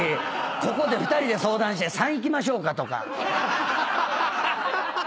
ここで２人で相談して３いきましょうかとか。